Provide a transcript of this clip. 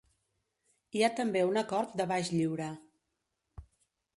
Hi ha també un acord de baix lliure.